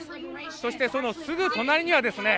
そしてそのすぐ隣にはですね